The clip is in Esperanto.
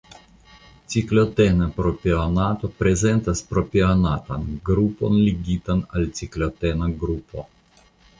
Ciklotena propionato prezentas propionatan grupon ligitan al ciklotena grupo.